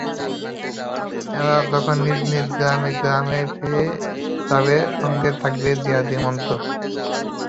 এরা যখন নিজ নিজ শহরে-গ্রামে ফিরে যাবে, সঙ্গে থাকবে জিহাদি মন্ত্র।